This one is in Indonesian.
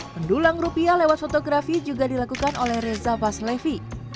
pendulang rupiah lewat fotografi juga dilakukan oleh reza vaslevi